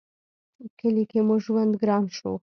کلي کې مو ژوند گران شو